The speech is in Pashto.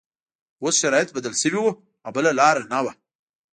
اوس شرایط بدل شوي وو او بله لاره نه وه